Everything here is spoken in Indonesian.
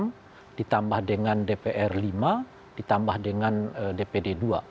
pertama ditambah dengan dpr lima ditambah dengan dpd dua